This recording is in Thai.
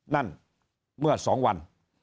นั่นเมื่อ๒วัน